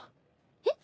えっ？